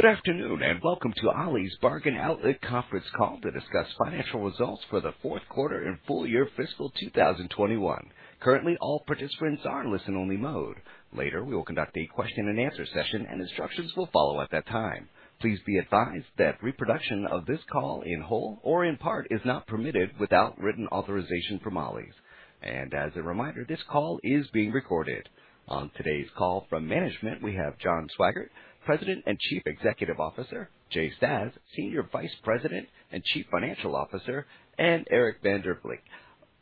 Good afternoon, and welcome to Ollie's Bargain Outlet conference call to discuss financial results for the fourth quarter and full year fiscal 2021. Currently, all participants are in listen only mode. Later, we will conduct a question-and-answer session, and instructions will follow at that time. Please be advised that reproduction of this call, in whole or in part, is not permitted without written authorization from Ollie's. As a reminder, this call is being recorded. On today's call from management, we have John Swygert, President and Chief Executive Officer, Jay Stasz, Senior Vice President and Chief Financial Officer, and Eric van der Valk,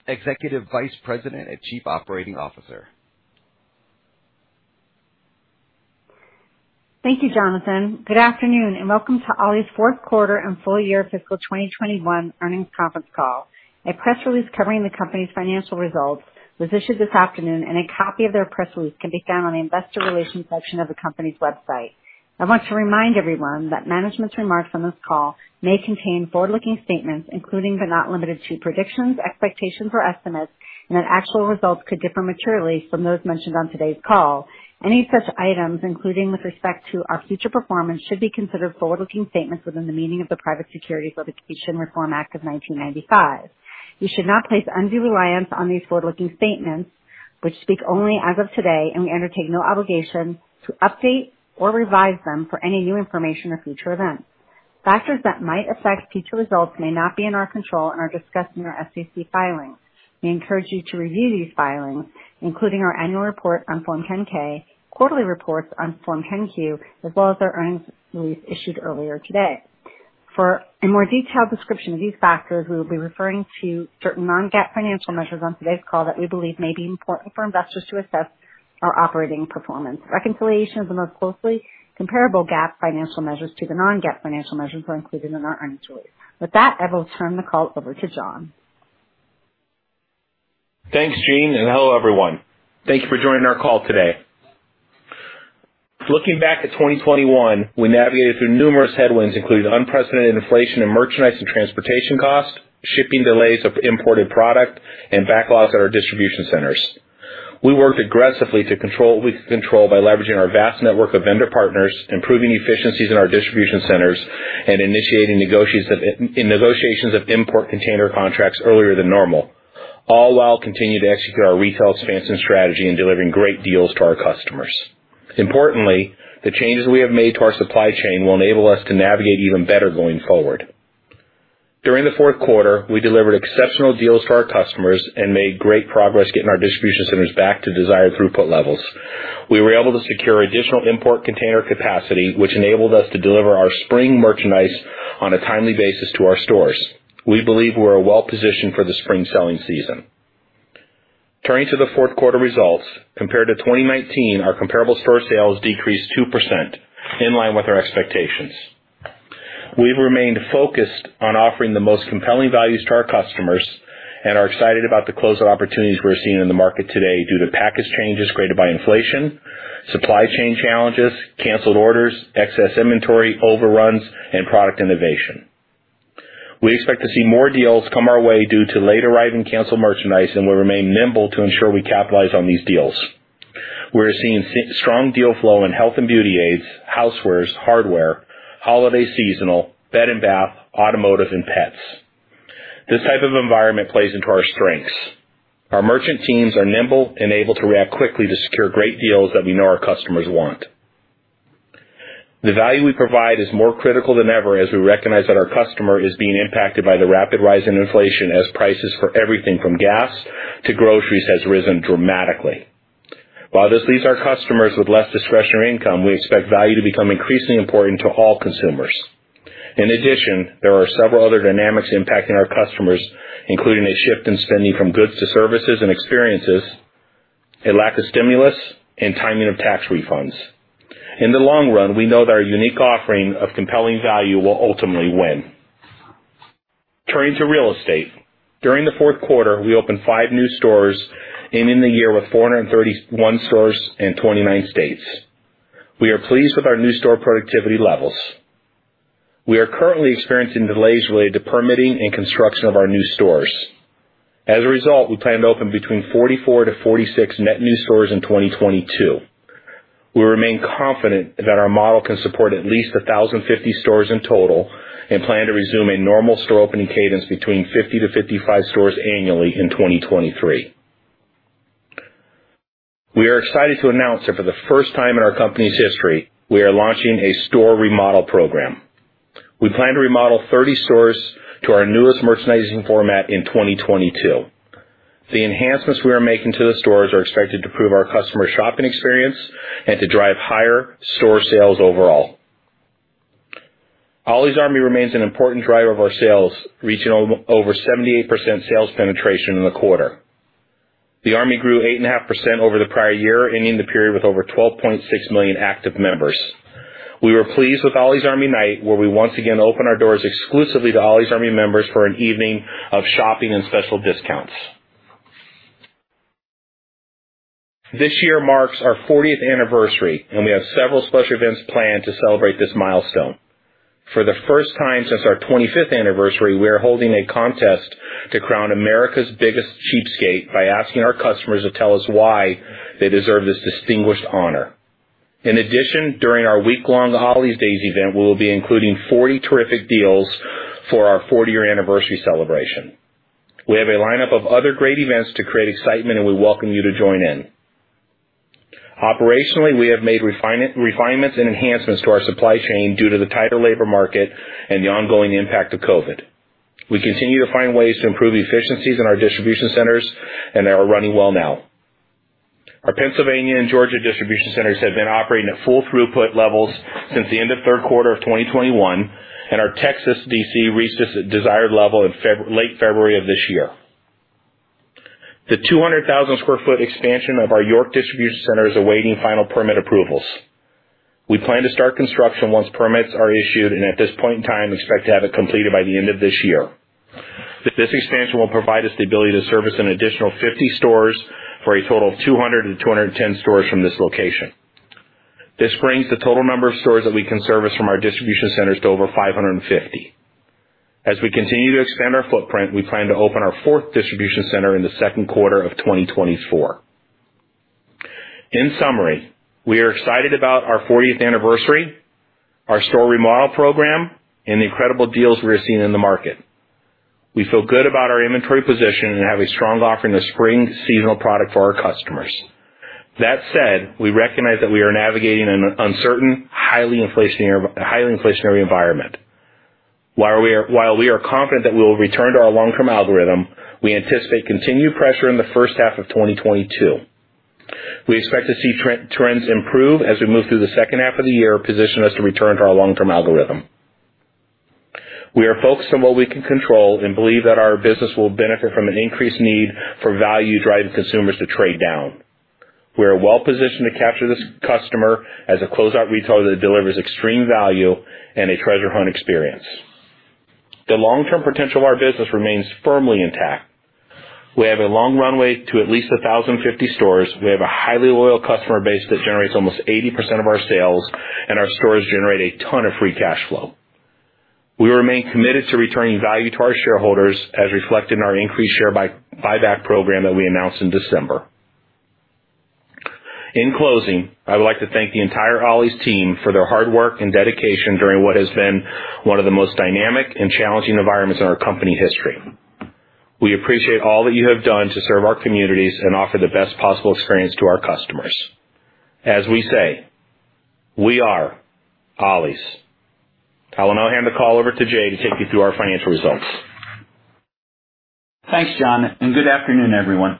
Executive Vice President and Chief Operating Officer. Thank you, Jonathan. Good afternoon, and welcome to Ollie's Fourth Quarter and Full Year Fiscal 2021 earnings conference call. A press release covering the company's financial results was issued this afternoon, and a copy of their press release can be found on the investor relations section of the company's website. I want to remind everyone that management's remarks on this call may contain forward-looking statements, including but not limited to predictions, expectations, or estimates, and that actual results could differ materially from those mentioned on today's call. Any such items, including with respect to our future performance, should be considered forward-looking statements within the meaning of the Private Securities Litigation Reform Act of 1995. You should not place undue reliance on these forward-looking statements, which speak only as of today, and we undertake no obligation to update or revise them for any new information or future events. Factors that might affect future results may not be in our control and are discussed in our SEC filings. We encourage you to review these filings, including our annual report on Form 10-K, quarterly reports on Form 10-Q, as well as our earnings release issued earlier today. For a more detailed description of these factors, we will be referring to certain non-GAAP financial measures on today's call that we believe may be important for investors to assess our operating performance. Reconciliation of the most closely comparable GAAP financial measures to the non-GAAP financial measures are included in our earnings release. With that, I will turn the call over to John. Thanks, Jean, and hello, everyone. Thank you for joining our call today. Looking back at 2021, we navigated through numerous headwinds, including unprecedented inflation in merchandise and transportation costs, shipping delays of imported product, and backlogs at our distribution centers. We worked aggressively to control what we could control by leveraging our vast network of vendor partners, improving efficiencies in our distribution centers, and initiating negotiations of import container contracts earlier than normal, all while continuing to execute our retail expansion strategy and delivering great deals to our customers. Importantly, the changes we have made to our supply chain will enable us to navigate even better going forward. During the fourth quarter, we delivered exceptional deals to our customers and made great progress getting our distribution centers back to desired throughput levels. We were able to secure additional import container capacity, which enabled us to deliver our spring merchandise on a timely basis to our stores. We believe we're well-positioned for the spring selling season. Turning to the fourth quarter results, compared to 2019, our comparable store sales decreased 2%, in line with our expectations. We've remained focused on offering the most compelling values to our customers and are excited about the closeout opportunities we're seeing in the market today due to package changes created by inflation, supply chain challenges, canceled orders, excess inventory, overruns, and product innovation. We expect to see more deals come our way due to late arriving canceled merchandise, and we'll remain nimble to ensure we capitalize on these deals. We're seeing strong deal flow in health and beauty aids, housewares, hardware, holiday seasonal, bed and bath, automotive and pets. This type of environment plays into our strengths. Our merchant teams are nimble and able to react quickly to secure great deals that we know our customers want. The value we provide is more critical than ever as we recognize that our customer is being impacted by the rapid rise in inflation as prices for everything from gas to groceries has risen dramatically. While this leaves our customers with less discretionary income, we expect value to become increasingly important to all consumers. In addition, there are several other dynamics impacting our customers, including a shift in spending from goods to services and experiences, a lack of stimulus, and timing of tax refunds. In the long run, we know that our unique offering of compelling value will ultimately win. Turning to real estate. During the fourth quarter, we opened five new stores, ending the year with 431 stores in 29 states. We are pleased with our new store productivity levels. We are currently experiencing delays related to permitting and construction of our new stores. As a result, we plan to open between 44-46 net new stores in 2022. We remain confident that our model can support at least 1,050 stores in total and plan to resume a normal store opening cadence between 50-55 stores annually in 2023. We are excited to announce that for the first time in our company's history, we are launching a store remodel program. We plan to remodel 30 stores to our newest merchandising format in 2022. The enhancements we are making to the stores are expected to improve our customer shopping experience and to drive higher store sales overall. Ollie's Army remains an important driver of our sales, reaching over 78% sales penetration in the quarter. The Army grew 8.5% over the prior year, ending the period with over 12.6 million active members. We were pleased with Ollie's Army Night, where we once again opened our doors exclusively to Ollie's Army members for an evening of shopping and special discounts. This year marks our 40th anniversary, and we have several special events planned to celebrate this milestone. For the first time since our 25th anniversary, we are holding a contest to crown America's biggest cheapskate by asking our customers to tell us why they deserve this distinguished honor. In addition, during our week-long Ollie's Army Days event, we will be including 40 terrific deals for our 40-year anniversary celebration. We have a lineup of other great events to create excitement, and we welcome you to join in. Operationally, we have made refinements and enhancements to our supply chain due to the tighter labor market and the ongoing impact of COVID. We continue to find ways to improve efficiencies in our distribution centers, and they are running well now. Our Pennsylvania and Georgia distribution centers have been operating at full throughput levels since the end of third quarter of 2021, and our Texas DC reached its desired level in late February of this year. The 200,000 sq ft expansion of our York distribution center is awaiting final permit approvals. We plan to start construction once permits are issued and at this point in time, expect to have it completed by the end of this year. This expansion will provide us the ability to service an additional 50 stores for a total of 200-210 stores from this location. This brings the total number of stores that we can service from our distribution centers to over 550. As we continue to expand our footprint, we plan to open our fourth distribution center in the second quarter of 2024. In summary, we are excited about our 40th anniversary, our store remodel program, and the incredible deals we're seeing in the market. We feel good about our inventory position and have a strong offering of spring seasonal product for our customers. That said, we recognize that we are navigating an uncertain, highly inflationary environment. While we are confident that we will return to our long-term algorithm, we anticipate continued pressure in the first half of 2022. We expect to see trends improve as we move through the second half of the year, position us to return to our long-term algorithm. We are focused on what we can control and believe that our business will benefit from an increased need for value, driving consumers to trade down. We are well-positioned to capture this customer as a closeout retailer that delivers extreme value and a treasure hunt experience. The long-term potential of our business remains firmly intact. We have a long runway to at least 1,050 stores. We have a highly loyal customer base that generates almost 80% of our sales, and our stores generate a ton of free cash flow. We remain committed to returning value to our shareholders as reflected in our increased share buyback program that we announced in December. In closing, I would like to thank the entire Ollie's team for their hard work and dedication during what has been one of the most dynamic and challenging environments in our company history. We appreciate all that you have done to serve our communities and offer the best possible experience to our customers. As we say, "We are Ollie's." I will now hand the call over to Jay to take you through our financial results. Thanks, John, and good afternoon, everyone.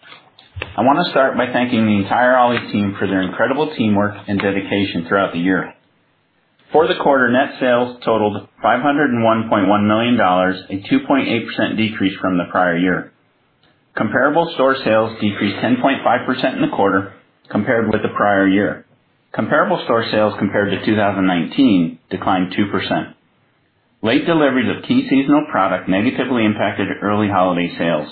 I want to start by thanking the entire Ollie's team for their incredible teamwork and dedication throughout the year. For the quarter, net sales totaled $501.1 million, a 2.8% decrease from the prior year. Comparable store sales decreased 10.5% in the quarter compared with the prior year. Comparable store sales compared to 2019 declined 2%. Late deliveries of key seasonal product negatively impacted early holiday sales.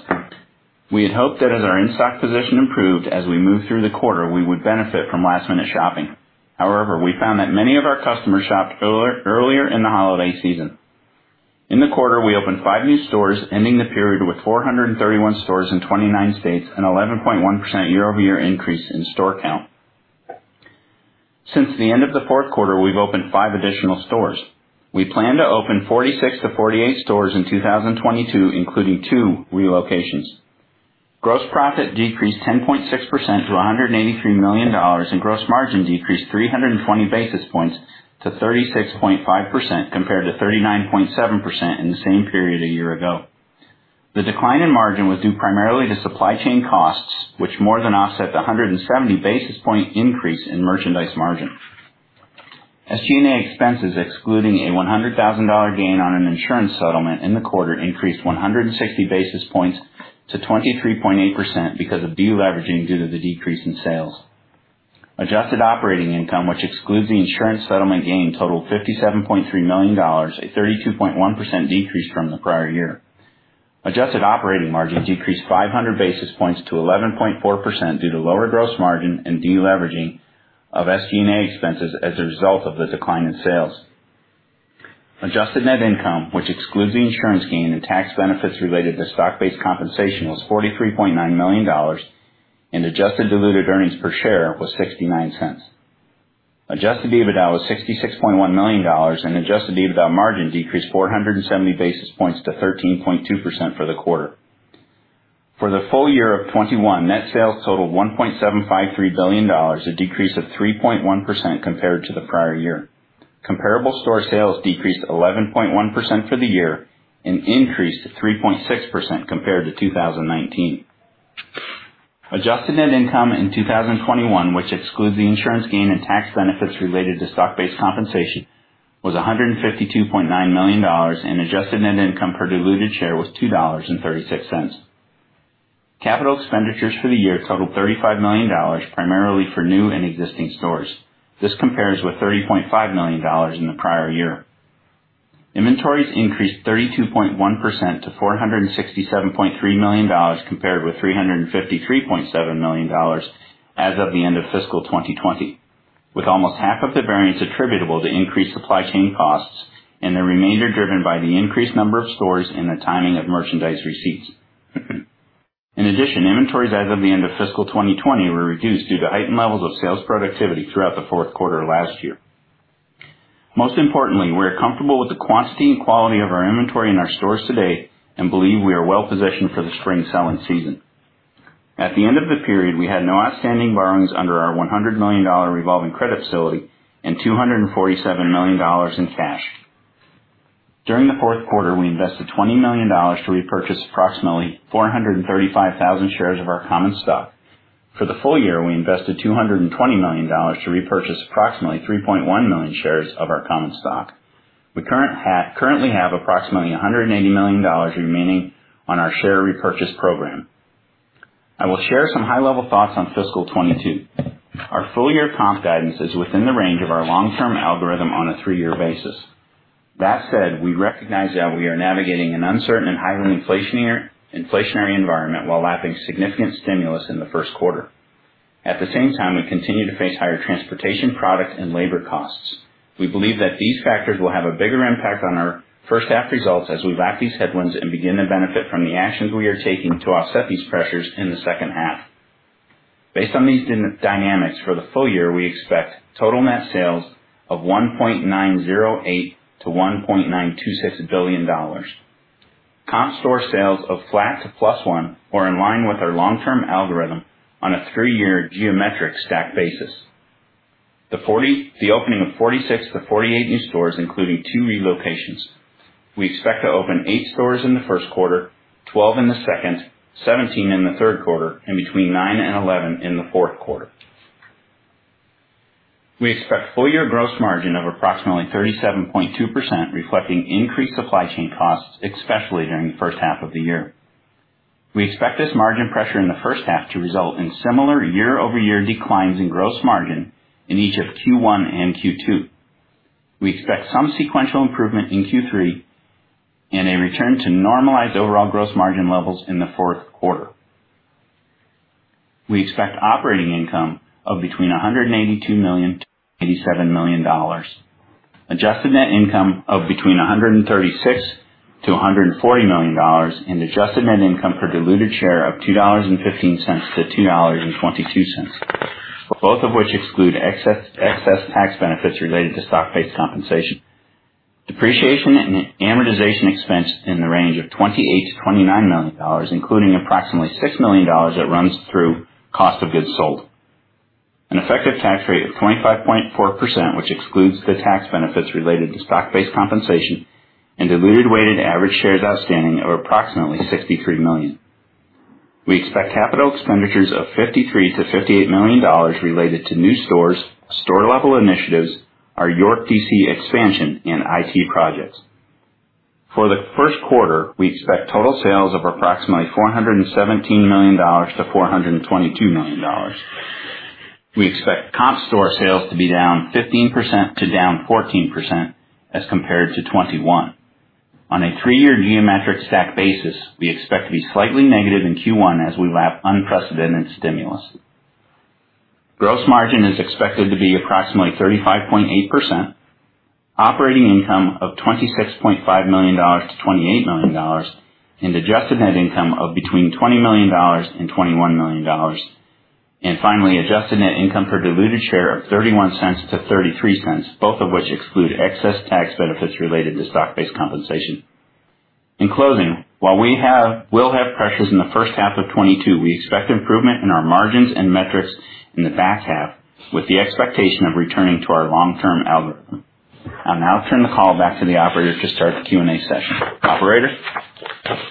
We had hoped that as our in-stock position improved as we moved through the quarter, we would benefit from last-minute shopping. However, we found that many of our customers shopped earlier in the holiday season. In the quarter, we opened five new stores, ending the period with 431 stores in 29 states, an 11.1% year-over-year increase in store count. Since the end of the fourth quarter, we've opened five additional stores. We plan to open 46-48 stores in 2022, including two relocations. Gross profit decreased 10.6% to $183 million, and gross margin decreased 320 basis points to 36.5% compared to 39.7% in the same period a year ago. The decline in margin was due primarily to supply chain costs, which more than offset the 170 basis point increase in merchandise margin. SG&A expenses, excluding a $100,000 gain on an insurance settlement in the quarter, increased 160 basis points to 23.8% because of deleveraging due to the decrease in sales. Adjusted operating income, which excludes the insurance settlement gain, totaled $57.3 million, a 32.1% decrease from the prior year. Adjusted operating margin decreased 500 basis points to 11.4% due to lower gross margin and deleveraging of SG&A expenses as a result of the decline in sales. Adjusted net income, which excludes the insurance gain and tax benefits related to stock-based compensation, was $43.9 million, and adjusted diluted earnings per share was $0.69. Adjusted EBITDA was $66.1 million, and Adjusted EBITDA margin decreased 470 basis points to 13.2% for the quarter. For the full year of 2021, net sales totaled $1.753 billion, a decrease of 3.1% compared to the prior year. Comparable store sales decreased 11.1% for the year and increased to 3.6% compared to 2019. Adjusted net income in 2021, which excludes the insurance gain and tax benefits related to stock-based compensation, was $152.9 million, and adjusted net income per diluted share was $2.36. Capital expenditures for the year totaled $35 million, primarily for new and existing stores. This compares with $30.5 million in the prior year. Inventories increased 32.1% to $467.3 million, compared with $353.7 million as of the end of fiscal 2020, with almost half of the variance attributable to increased supply chain costs and the remainder driven by the increased number of stores and the timing of merchandise receipts. In addition, inventories as of the end of fiscal 2020 were reduced due to heightened levels of sales productivity throughout the fourth quarter last year. Most importantly, we are comfortable with the quantity and quality of our inventory in our stores today and believe we are well positioned for the spring selling season. At the end of the period, we had no outstanding borrowings under our $100 million revolving credit facility and $247 million in cash. During the fourth quarter, we invested $20 million to repurchase approximately 435,000 shares of our common stock. For the full year, we invested $220 million to repurchase approximately 3.1 million shares of our common stock. We currently have approximately $180 million remaining on our share repurchase program. I will share some high-level thoughts on fiscal 2022. Our full year comp guidance is within the range of our long-term algorithm on a three-year basis. That said, we recognize that we are navigating an uncertain and highly inflationary environment while lapping significant stimulus in the first quarter. At the same time, we continue to face higher transportation, product, and labor costs. We believe that these factors will have a bigger impact on our first half results as we lap these headwinds and begin to benefit from the actions we are taking to offset these pressures in the second half. Based on these dynamics for the full year, we expect total net sales of $1.908 billion-$1.926 billion. Comp store sales of flat to +1% are in line with our long-term algorithm on a three-year geometric stack basis. The opening of 46-48 new stores, including two relocations. We expect to open eight stores in the first quarter, 12 in the second, 17 in the third quarter, and between 9 and 11 in the fourth quarter. We expect full year gross margin of approximately 37.2%, reflecting increased supply chain costs, especially during the first half of the year. We expect this margin pressure in the first half to result in similar year-over-year declines in gross margin in each of Q1 and Q2. We expect some sequential improvement in Q3 and a return to normalized overall gross margin levels in the fourth quarter. We expect operating income of between $182 million-$187 million. Adjusted net income of between $136 million-$140 million. Adjusted net income per diluted share of $2.15-$2.22, both of which exclude excess tax benefits related to stock-based compensation. Depreciation and amortization expense in the range of $28 million-$29 million, including approximately $6 million that runs through cost of goods sold. An effective tax rate of 25.4%, which excludes the tax benefits related to stock-based compensation, and diluted weighted average shares outstanding of approximately 63 million. We expect capital expenditures of $53 million-$58 million related to new stores, store level initiatives, our York DC expansion and IT projects. For the first quarter, we expect total sales of approximately $417 million-$422 million. We expect comp store sales to be down 15%-14% as compared to 2021. On a three-year geometric stack basis, we expect to be slightly negative in Q1 as we lap unprecedented stimulus. Gross margin is expected to be approximately 35.8%. Operating income of $26.5 million-$28 million. Adjusted net income of between $20 million and $21 million. Finally, adjusted net income per diluted share of $0.31-$0.33, both of which exclude excess tax benefits related to stock-based compensation. In closing, while we'll have pressures in the first half of 2022, we expect improvement in our margins and metrics in the back half with the expectation of returning to our long term algorithm. I'll now turn the call back to the operator to start the Q&A session. Operator?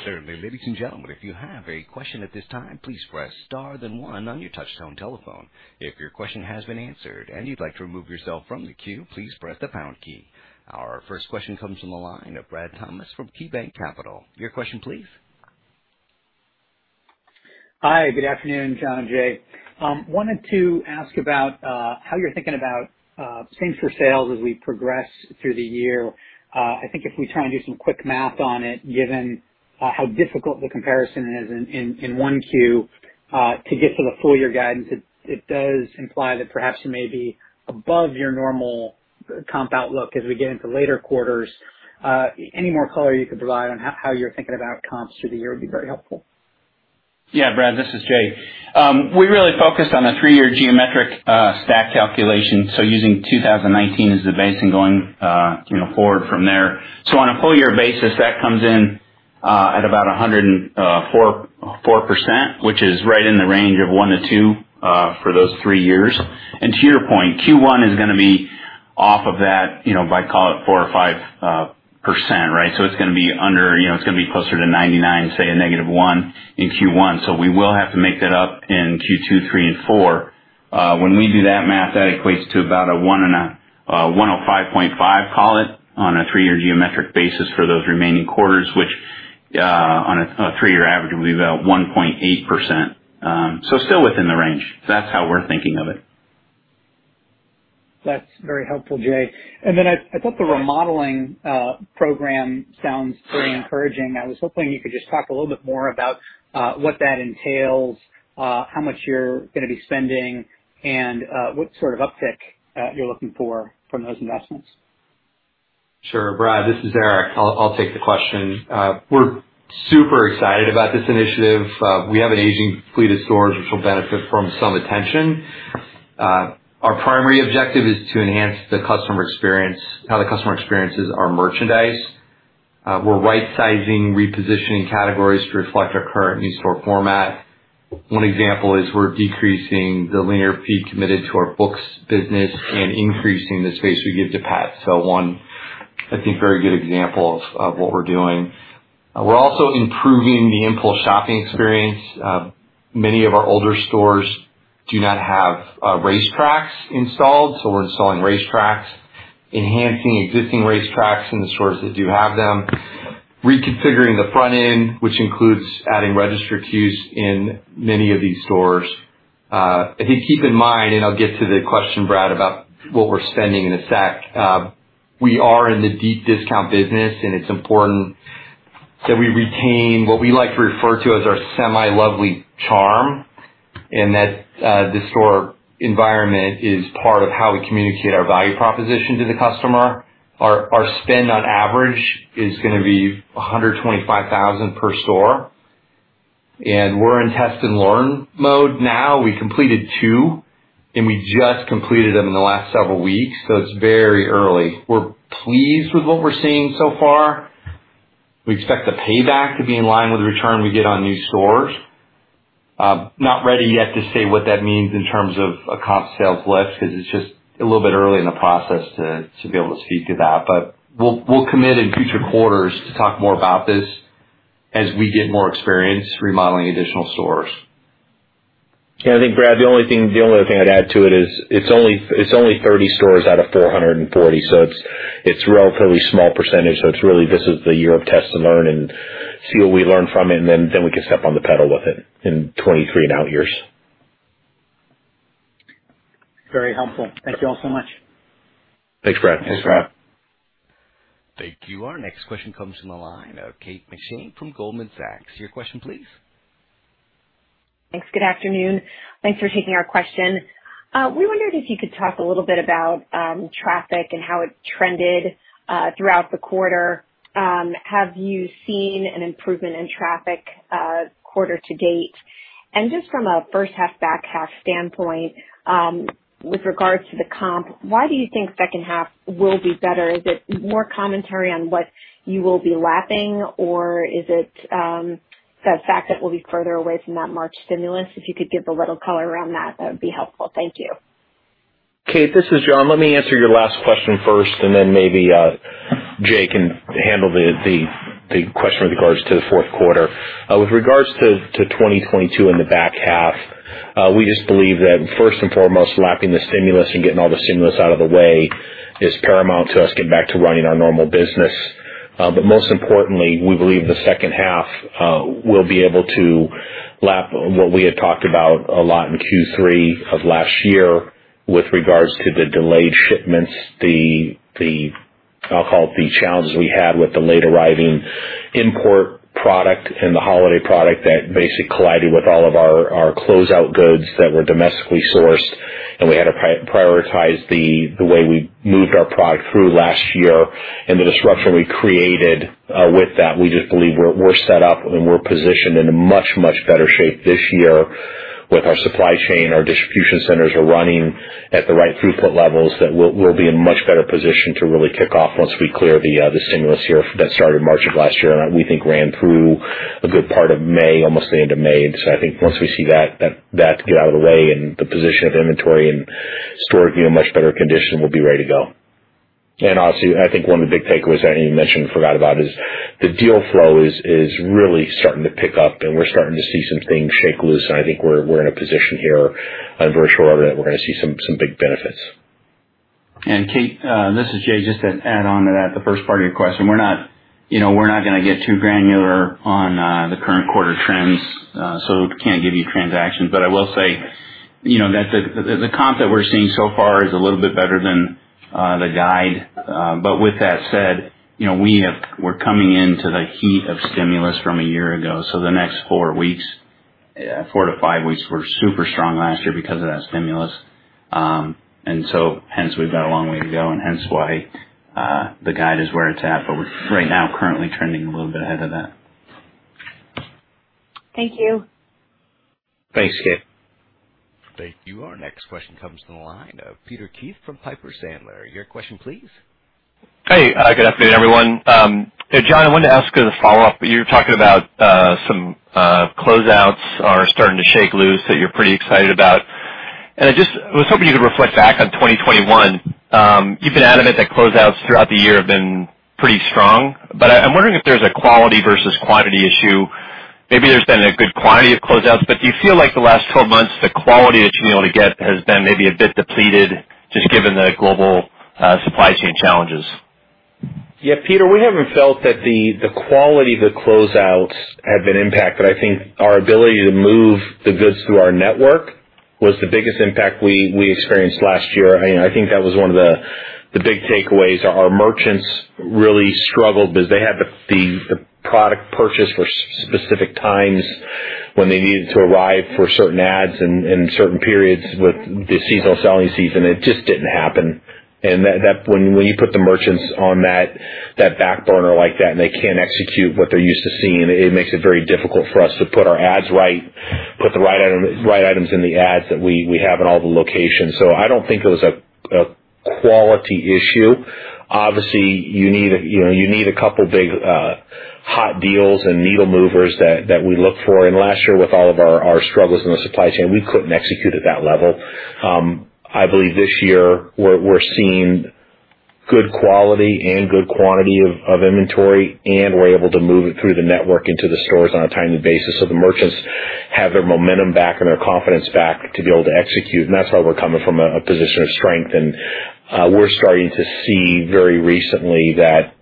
Certainly. Ladies and gentlemen, if you have a question at this time, please press star then one on your touchtone telephone. If your question has been answered and you'd like to remove yourself from the queue, please press the pound key. Our first question comes from the line of Bradley Thomas from KeyBanc Capital Markets. Your question, please. Hi, good afternoon, John Swygert and Jay Stasz. Wanted to ask about how you're thinking about same-store sales as we progress through the year. I think if we try and do some quick math on it, given how difficult the comparison is in Q1 to get to the full year guidance, it does imply that perhaps you may be above your normal comp outlook as we get into later quarters. Any more color you could provide on how you're thinking about comps through the year would be very helpful. Yeah, Brad, this is Jay. We really focus on the three-year geometric stack calculation, so using 2019 as the base and going, you know, forward from there. On a full year basis, that comes in at about 104%, which is right in the range of 1%-2% for those three years. To your point, Q1 is gonna be off of that, you know, by call it 4 or 5%, right? It's gonna be under, you know, it's gonna be closer to 99%, say -1% in Q1. We will have to make that up in Q2, Q3 and Q4. When we do that math, that equates to about a 105.5, call it, on a three-year geometric basis for those remaining quarters, which on a three-year average will be about 1.8%. Still within the range. That's how we're thinking of it. That's very helpful, Jay. I thought the remodeling program sounds pretty encouraging. I was hoping you could just talk a little bit more about what that entails, how much you're gonna be spending, and what sort of uptick you're looking for from those investments. Sure. Brad, this is Eric. I'll take the question. We're super excited about this initiative. We have an aging fleet of stores which will benefit from some attention. Our primary objective is to enhance the customer experience, how the customer experiences our merchandise. We're right sizing, repositioning categories to reflect our current new store format. One example is we're decreasing the linear feet committed to our books business and increasing the space we give to pets. One, I think, very good example of what we're doing. We're also improving the in-store shopping experience. Many of our older stores do not have racetracks installed, so we're installing racetracks, enhancing existing racetracks in the stores that do have them. Reconfiguring the front end, which includes adding register queues in many of these stores. I think keep in mind, and I'll get to the question, Brad, about what we're spending in a sec. We are in the deep discount business, and it's important that we retain what we like to refer to as our semi-lovely charm and that the store environment is part of how we communicate our value proposition to the customer. Our spend on average is gonna be $125,000 per store. We're in test and learn mode now. We completed two, and we just completed them in the last several weeks, so it's very early. We're pleased with what we're seeing so far. We expect the payback to be in line with the return we get on new stores. Not ready yet to say what that means in terms of a cost sales lift 'cause it's just a little bit early in the process to be able to speak to that. We'll commit in future quarters to talk more about this as we get more experience remodeling additional stores. Yeah, I think, Brad, the only thing, the only other thing I'd add to it is it's only 30 stores out of 440, so it's relatively small percentage. It's really this is the year of test and learn and see what we learn from it, and then we can step on the pedal with it in 2023 and out years. Very helpful. Thank you all so much. Thanks, Brad. Thanks, Brad. Thank you. Our next question comes from the line of Kate McShane from Goldman Sachs. Your question please. Thanks. Good afternoon. Thanks for taking our question. We wondered if you could talk a little bit about traffic and how it trended throughout the quarter. Have you seen an improvement in traffic quarter to date? Just from a first half, back half standpoint, with regards to the comp, why do you think second half will be better? Is it more commentary on what you will be lapping, or is it the fact that we'll be further away from that March stimulus? If you could give a little color around that would be helpful. Thank you. Kate, this is John. Let me answer your last question first, and then maybe Jay can handle the question with regards to the fourth quarter. With regards to 2022 in the back half, we just believe that first and foremost, lapping the stimulus and getting all the stimulus out of the way is paramount to us getting back to running our normal business. Most importantly, we believe the second half we'll be able to lap what we had talked about a lot in Q3 of last year with regards to the delayed shipments, the challenges we had with the late arriving import product and the holiday product that basically collided with all of our closeout goods that were domestically sourced, and we had to prioritize the way we moved our product through last year and the disruption we created with that. We just believe we're set up and we're positioned in a much better shape this year with our supply chain. Our distribution centers are running at the right throughput levels that we'll be in much better position to really kick off once we clear the stimulus here that started March of last year, and we think ran through a good part of May, almost the end of May. I think once we see that get out of the way and the position of inventory and stores being in much better condition, we'll be ready to go. Also, I think one of the big takeaways I didn't even mention or forgot about is the deal flow is really starting to pick up and we're starting to see some things shake loose, and I think we're in a position here. I'm very sure of it, we're gonna see some big benefits. Kate, this is Jay. Just to add on to that, the first part of your question. We're not gonna get too granular on the current quarter trends, so can't give you transactions. I will say that the comp that we're seeing so far is a little bit better than the guide. With that said, we're coming into the heat of stimulus from a year ago, so the next four to five weeks were super strong last year because of that stimulus. Hence, we've got a long way to go and hence why the guide is where it's at, but we're right now currently trending a little bit ahead of that. Thank you. Thanks, Kate. Thank you. Our next question comes from the line of Peter Keith from Piper Sandler. Your question please. Hey, good afternoon, everyone. John, I wanted to ask as a follow-up, but you're talking about some closeouts are starting to shake loose that you're pretty excited about. I just was hoping you could reflect back on 2021. You've been adamant that closeouts throughout the year have been pretty strong, but I'm wondering if there's a quality versus quantity issue. Maybe there's been a good quantity of closeouts, but do you feel like the last 12 months, the quality that you've been able to get has been maybe a bit depleted just given the global supply chain challenges? Yeah, Peter, we haven't felt that the quality of the closeouts have been impacted. I think our ability to move the goods through our network was the biggest impact we experienced last year. I think that was one of the big takeaways. Our merchants really struggled because they had the product purchase for specific times when they needed to arrive for certain ads and certain periods with the seasonal selling season. It just didn't happen. When you put the merchants on that back burner like that and they can't execute what they're used to seeing, it makes it very difficult for us to put our ads right, put the right items in the ads that we have in all the locations. I don't think it was a quality issue. Obviously, you need, you know, a couple big hot deals and needle movers that we look for. Last year, with all of our struggles in the supply chain, we couldn't execute at that level. I believe this year we're seeing good quality and good quantity of inventory, and we're able to move it through the network into the stores on a timely basis. The merchants have their momentum back and their confidence back to be able to execute, and that's why we're coming from a position of strength. We're starting to see very recently that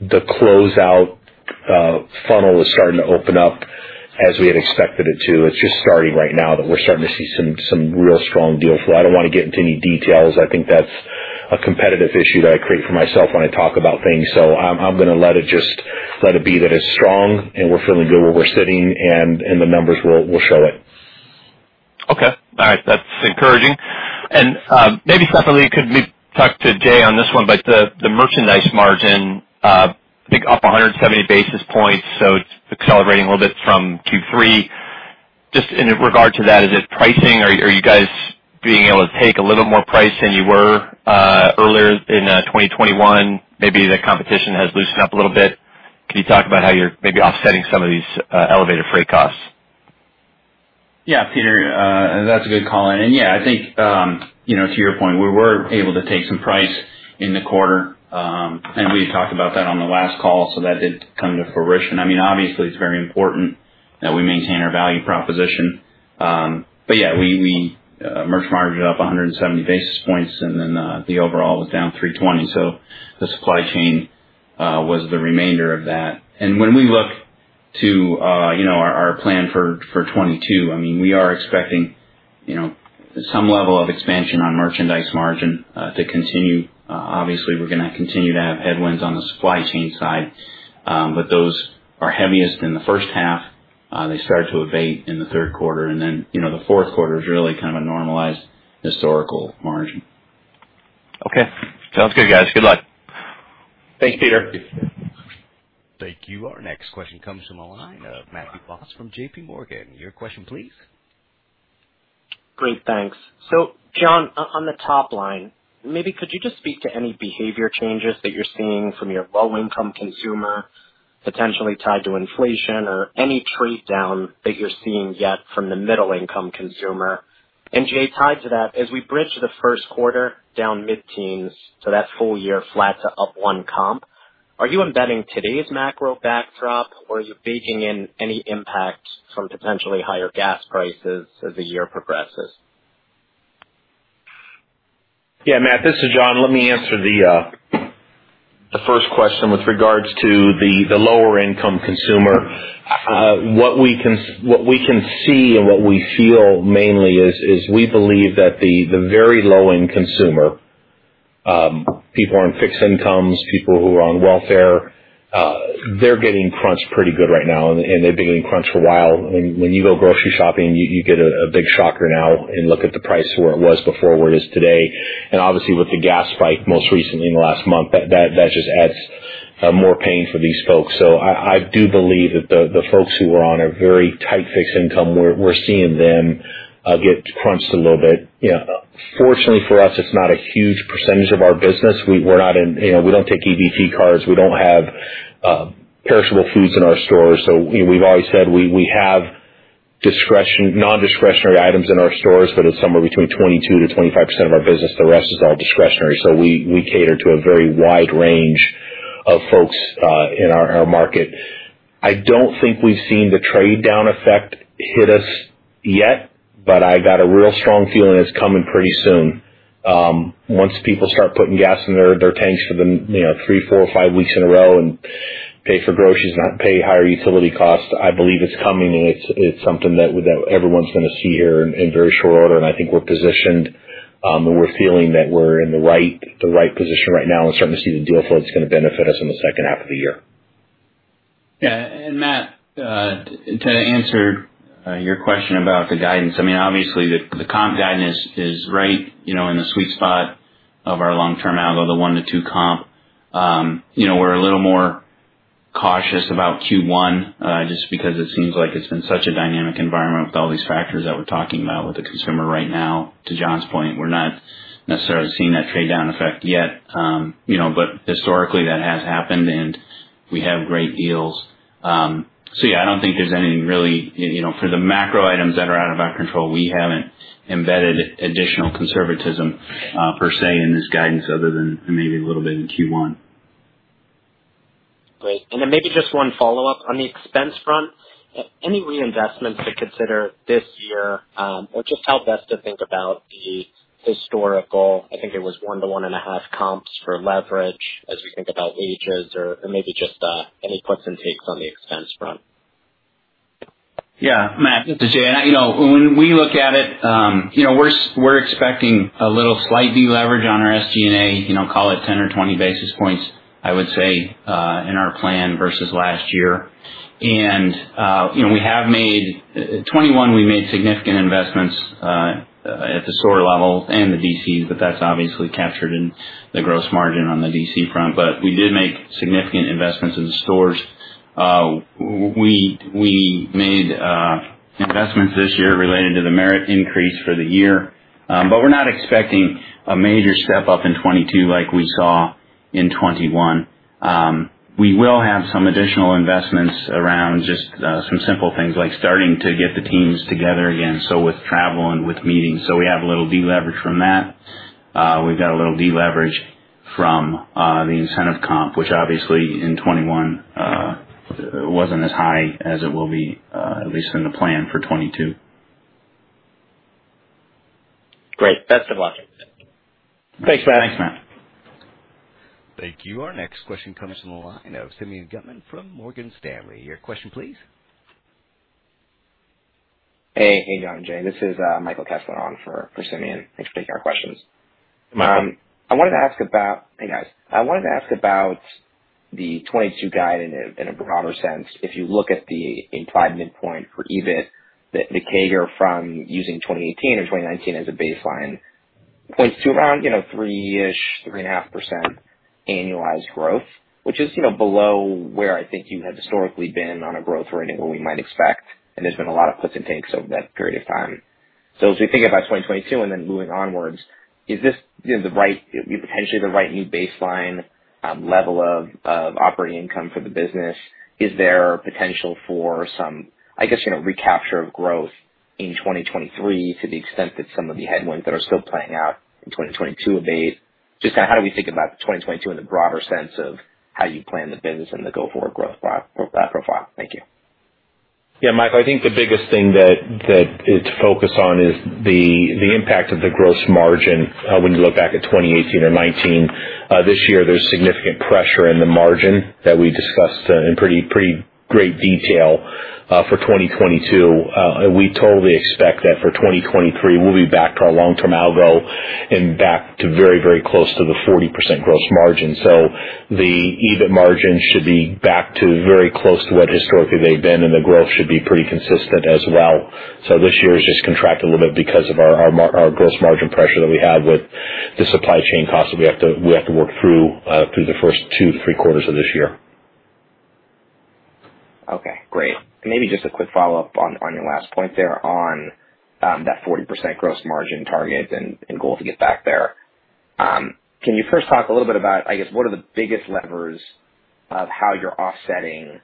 the closeout funnel is starting to open up as we had expected it to. It's just starting right now, but we're starting to see some real strong deal flow. I don't wanna get into any details. I think that's a competitive issue that I create for myself when I talk about things. I'm gonna let it just let it be that it's strong and we're feeling good where we're sitting, and the numbers will show it. Okay. All right. That's encouraging. Maybe, Stephanie, maybe talk to Jay on this one, but the merchandise margin, I think up 170 basis points, so it's accelerating a little bit from Q3. Just in regard to that, is it pricing? Are you guys being able to take a little more price than you were earlier in 2021? Maybe the competition has loosened up a little bit. Can you talk about how you're maybe offsetting some of these elevated freight costs? Yeah, Peter, that's a good call. Yeah, I think, you know, to your point, we were able to take some price in the quarter. We talked about that on the last call, so that did come to fruition. I mean, obviously it's very important that we maintain our value proposition. Yeah, we merch margin is up 170 basis points, and then, the overall was down 320. The supply chain was the remainder of that. When we look to, you know, our plan for 2022, I mean, we are expecting, you know, some level of expansion on merchandise margin to continue. Obviously, we're gonna continue to have headwinds on the supply chain side, but those are heaviest in the first half. They start to abate in the third quarter, and then, you know, the fourth quarter is really kind of a normalized historical margin. Okay. Sounds good, guys. Good luck. Thanks, Peter. Thank you. Our next question comes from the line of Matthew Boss from J.P. Morgan. Your question, please. Great. Thanks. John, on the top line, maybe could you just speak to any behavior changes that you're seeing from your low-income consumer potentially tied to inflation or any trade down that you're seeing yet from the middle-income consumer? Jay, tied to that, as we bridge the first quarter down mid-teens, so that full year flat to up one comp, are you embedding today's macro backdrop, or are you baking in any impact from potentially higher gas prices as the year progresses? Yeah, Matt, this is John. Let me answer the first question with regards to the lower income consumer. What we can see and what we feel mainly is we believe that the very low end consumer, people who are on fixed incomes, people who are on welfare, they're getting crunched pretty good right now, and they've been getting crunched for a while. When you go grocery shopping, you get a big shocker now and look at the price where it was before, where it is today. Obviously with the gas spike most recently in the last month, that just adds more pain for these folks. I do believe that the folks who are on a very tight fixed income, we're seeing them get crunched a little bit. You know, fortunately for us, it's not a huge percentage of our business. You know, we don't take EBT cards. We don't have perishable foods in our stores. We've always said we have discretionary non-discretionary items in our stores, but it's somewhere between 22%-25% of our business. The rest is all discretionary. We cater to a very wide range of folks in our market. I don't think we've seen the trade down effect hit us yet, but I got a real strong feeling it's coming pretty soon. Once people start putting gas in their tanks for the, you know, three, four or five weeks in a row and pay for groceries, not pay higher utility costs, I believe it's coming, and it's something that everyone's gonna see here in very short order. I think we're positioned, and we're feeling that we're in the right position right now and starting to see the deal flow that's gonna benefit us in the second half of the year. Matt, to answer your question about the guidance, I mean, obviously the comp guidance is right, you know, in the sweet spot of our long-term outlook of one-two comp. We're a little more cautious about Q1 just because it seems like it's been such a dynamic environment with all these factors that we're talking about with the consumer right now. To John's point, we're not necessarily seeing that trade down effect yet. Historically that has happened and we have great deals. I don't think there's anything really for the macro items that are out of our control. We haven't embedded additional conservatism per se in this guidance other than maybe a little bit in Q1. Great. Maybe just one follow-up on the expense front. Any reinvestments to consider this year? Or just help us to think about the historical. I think it was 1-1.5 comps for leverage as we think about SG&A or maybe just any puts and takes on the expense front. Yeah. Matt, this is Jay. You know, when we look at it, you know, we're expecting a little slight deleverage on our SG&A, you know, call it 10 or 20 basis points, I would say, in our plan versus last year. You know, we have made 2021 we made significant investments at the store level and the DCs, but that's obviously captured in the gross margin on the DC front. We did make significant investments in the stores. We made investments this year related to the merit increase for the year, but we're not expecting a major step up in 2022 like we saw in 2021. We will have some additional investments around just some simple things like starting to get the teams together again, with travel and with meetings. We have a little deleverage from that. We've got a little deleverage from the incentive comp, which obviously in 2021 wasn't as high as it will be at least in the plan for 2022. Great. Best of luck. Thanks, Matt. Thanks, Matt. Thank you. Our next question comes from the line of Simeon Gutman from Morgan Stanley. Your question, please. Hey, John and Jay, this is Michael Kessler on for Simeon. Thanks for taking our questions. Michael. Hey, guys. I wanted to ask about the 2022 guide in a broader sense. If you look at the implied midpoint for EBIT, the comp from using 2018 or 2019 as a baseline points to around, you know, 3-ish%, 3.5% annualized growth, which is, you know, below where I think you have historically been on a growth rate, or we might expect, and there's been a lot of puts and takes over that period of time. As we think about 2022 and then moving onwards, is this, you know, the right, potentially the right new baseline, level of operating income for the business? Is there potential for some, I guess, you know, recapture of growth in 2023 to the extent that some of the headwinds that are still playing out in 2022 abate? Just how do we think about 2022 in the broader sense of how you plan the business and the go-forward growth profile? Thank you. Yeah, Michael, I think the biggest thing that it's focused on is the impact of the gross margin, when you look back at 2018 or 2019. This year, there's significant pressure in the margin that we discussed in pretty great detail for 2022. We totally expect that for 2023, we'll be back to our long-term algo and back to very close to the 40% gross margin. The EBIT margin should be back to very close to what historically they've been, and the growth should be pretty consistent as well. This year is just contracted a little bit because of our gross margin pressure that we have with the supply chain costs that we have to work through the first two to three quarters of this year. Okay, great. Maybe just a quick follow-up on your last point there on that 40% gross margin target and goal to get back there. Can you first talk a little bit about, I guess, what are the biggest levers of how you're offsetting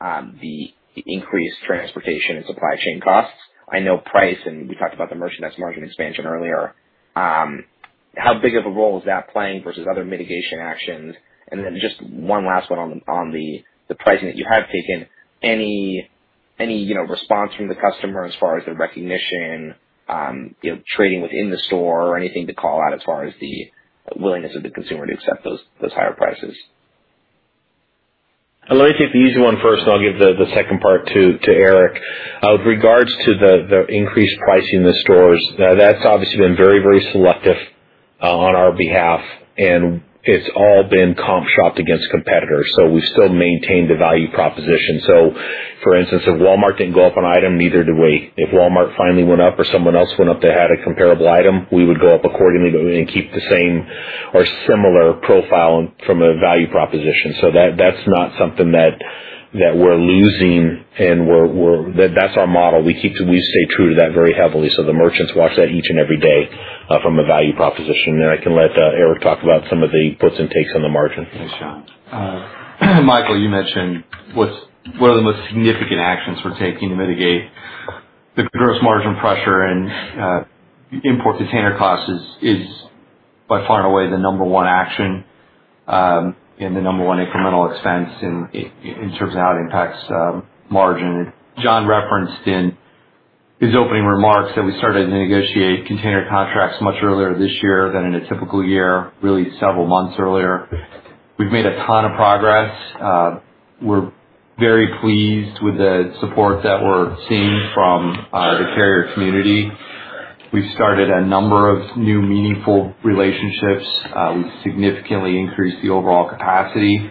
the increased transportation and supply chain costs? I know price, and we talked about the merchandise margin expansion earlier. How big of a role is that playing versus other mitigation actions? And then just one last one on the pricing that you have taken. Any, you know, response from the customer as far as the recognition, you know, trading within the store or anything to call out as far as the willingness of the consumer to accept those higher prices? Let me take the easy one first, and I'll give the second part to Eric. With regards to the increased pricing in the stores, that's obviously been very selective on our behalf, and it's all been comp shopped against competitors. We've still maintained the value proposition. For instance, if Walmart didn't go up an item, neither do we. If Walmart finally went up or someone else went up that had a comparable item, we would go up accordingly but we would keep the same or similar profile from a value proposition. That's not something that we're losing. That's our model. We stay true to that very heavily. The merchants watch that each and every day from a value proposition. I can let Eric talk about some of the puts and takes on the margin. Thanks, John. Michael, you mentioned what's one of the most significant actions we're taking to mitigate the gross margin pressure and import container costs is by far and away the number one action and the number one incremental expense in terms of how it impacts margin. John referenced in his opening remarks that we started to negotiate container contracts much earlier this year than in a typical year, really several months earlier. We've made a ton of progress. We're very pleased with the support that we're seeing from the carrier community. We've started a number of new meaningful relationships. We've significantly increased the overall capacity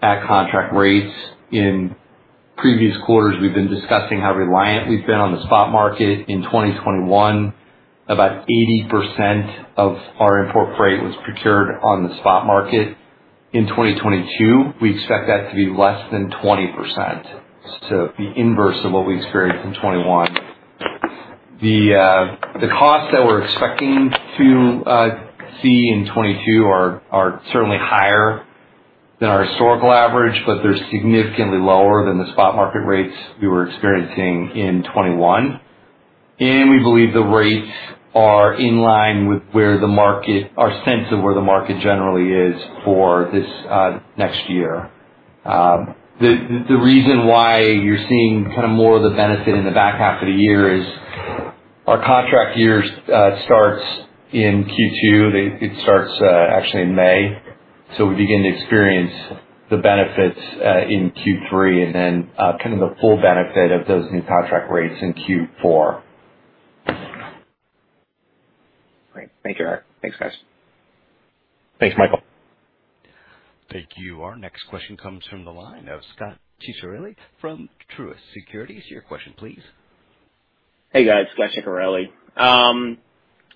at contract rates. In previous quarters, we've been discussing how reliant we've been on the spot market. In 2021, about 80% of our import freight was procured on the spot market. In 2022, we expect that to be less than 20%. The inverse of what we experienced in 2021. The costs that we're expecting to see in 2022 are certainly higher than our historical average, but they're significantly lower than the spot market rates we were experiencing in 2021. We believe the rates are in line with where the market is, our sense of where the market generally is for this next year. The reason why you're seeing kind of more of the benefit in the back half of the year is our contract year starts in Q2. It starts actually in May, so we begin to experience the benefits in Q3 and then kind of the full benefit of those new contract rates in Q4. Great. Thank you, Eric. Thanks, guys. Thanks, Michael. Thank you. Our next question comes from the line of Scot Ciccarelli from Truist Securities. Your question, please. Hey, guys. Scot Ciccarelli.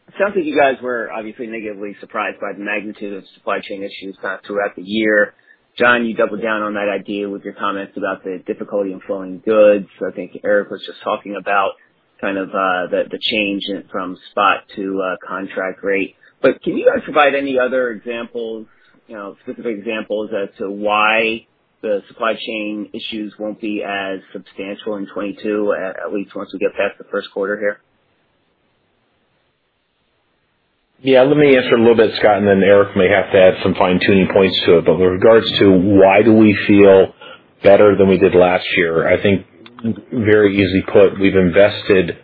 It sounds like you guys were obviously negatively surprised by the magnitude of supply chain issues kind of throughout the year. John, you doubled down on that idea with your comments about the difficulty in flowing goods. I think Eric was just talking about kind of the change from spot to contract rate. Can you guys provide any other examples, you know, specific examples as to why the supply chain issues won't be as substantial in 2022, at least once we get past the first quarter here? Yeah, let me answer a little bit, Scot, and then Eric may have to add some fine-tuning points to it. With regards to why do we feel better than we did last year, I think very easy put, we've invested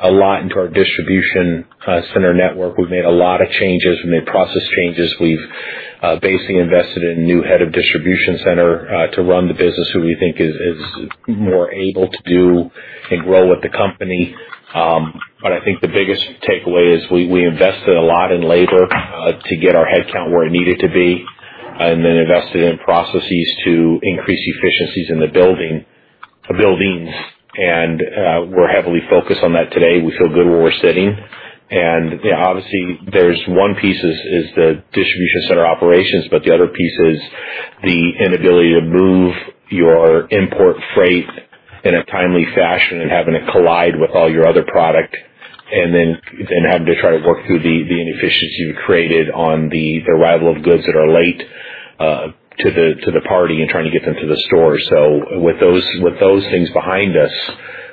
a lot into our distribution center network. We've made a lot of changes. We made process changes. We've basically invested in a new head of distribution center to run the business who we think is more able to do and grow with the company. But I think the biggest takeaway is we invested a lot in labor to get our head count where it needed to be, and then invested in processes to increase efficiencies in the building, buildings. We're heavily focused on that today. We feel good where we're sitting. You know, obviously there's one piece is the distribution center operations, but the other piece is the inability to move your import freight in a timely fashion and having it collide with all your other product and then having to try to work through the inefficiency you created on the arrival of goods that are late to the party and trying to get them to the store. With those things behind us,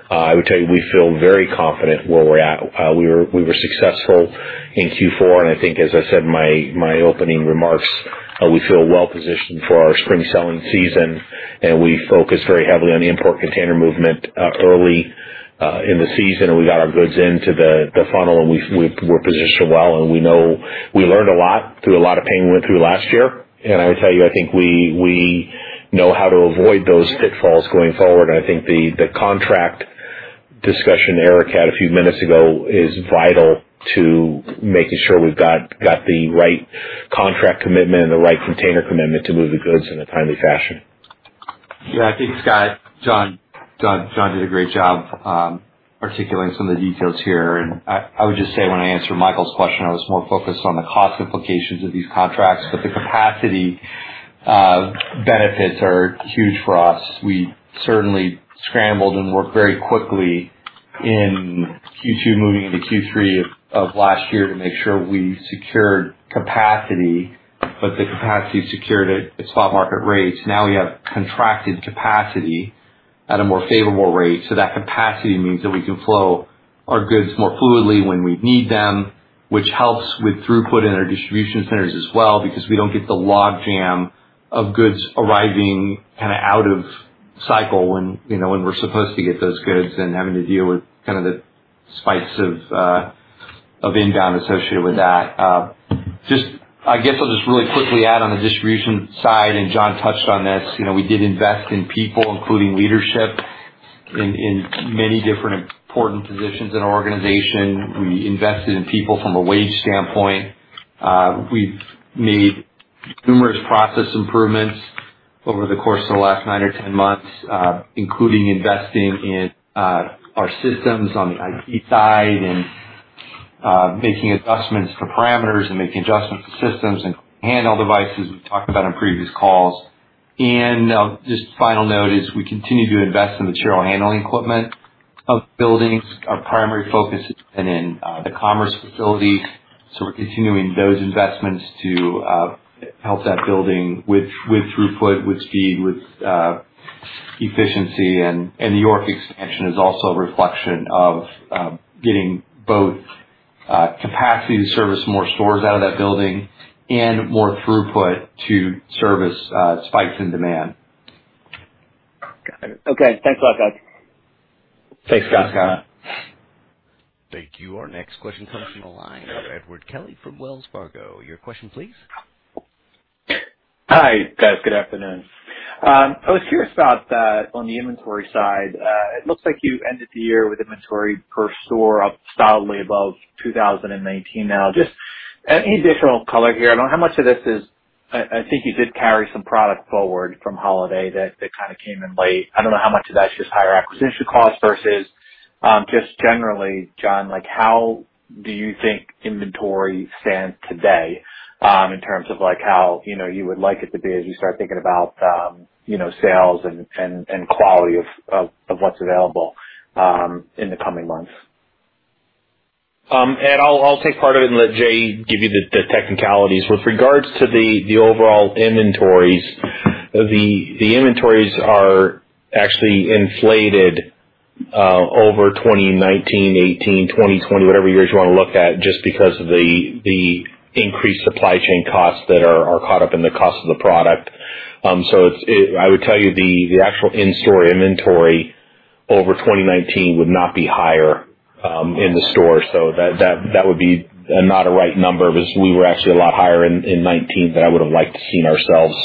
I would tell you, we feel very confident where we're at. We were successful in Q4, and I think as I said in my opening remarks, we feel well positioned for our spring selling season, and we focus very heavily on the import container movement early in the season. We got our goods into the funnel, and we're positioned well. We know. We learned a lot through a lot of pain we went through last year. I would tell you, I think we know how to avoid those pitfalls going forward. I think the contract discussion Eric had a few minutes ago is vital to making sure we've got the right contract commitment and the right container commitment to move the goods in a timely fashion. Yeah. Thanks, Scot. John did a great job articulating some of the details here. I would just say when I answered Michael's question, I was more focused on the cost implications of these contracts. The capacity benefits are huge for us. We certainly scrambled and worked very quickly in Q2 moving into Q3 of last year to make sure we secured capacity, but the capacity secured at spot market rates. Now we have contracted capacity at a more favorable rate. So that capacity means that we can flow our goods more fluidly when we need them, which helps with throughput in our distribution centers as well because we don't get the log jam of goods arriving kind of out of cycle when, you know, when we're supposed to get those goods and having to deal with kind of the spikes of inbound associated with that. I guess I'll just really quickly add on the distribution side, and John touched on this. You know, we did invest in people, including leadership in many different important positions in our organization. We invested in people from a wage standpoint. We've made numerous process improvements over the course of the last nine or 10 months, including investing in our systems on the IT side and making adjustments to parameters and making adjustments to systems and handheld devices we've talked about on previous calls. Just final note is we continue to invest in material handling equipment of buildings. Our primary focus has been in the Commerce facility. We're continuing those investments to help that building with throughput, with speed, with efficiency. The York expansion is also a reflection of getting both capacity to service more stores out of that building and more throughput to service spikes in demand. Got it. Okay. Thanks a lot, guys. Thanks, Scot. Thank you. Our next question comes from the line of Edward Kelly from Wells Fargo. Your question, please. Hi, guys. Good afternoon. I was curious about on the inventory side. It looks like you ended the year with inventory per store up solidly above 2019 now. Just any additional color here. I don't know how much of this is. I think you did carry some product forward from holiday that kind of came in late. I don't know how much of that's just higher acquisition cost versus just generally, John, like, how do you think inventory stands today in terms of like how you know you would like it to be as you start thinking about you know sales and quality of what's available in the coming months? I'll take part of it and let Jay give you the technicalities. With regards to the overall inventories, the inventories are actually inflated over 2019, 2018, 2020, whatever years you wanna look at, just because of the increased supply chain costs that are caught up in the cost of the product. I would tell you the actual in-store inventory over 2019 would not be higher in the store. That would be not a right number because we were actually a lot higher in 2019 than I would've liked to seen ourselves.